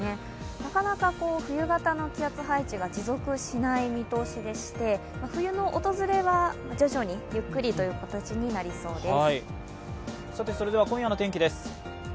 なかなか、冬型の気圧配置が持続しない見通しでして冬の訪れは徐々に、ゆっくりという形になりそうです。